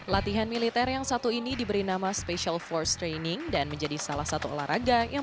latihan militer yang satu ini diberi nama special force training dan menjadi salah satu olahraga yang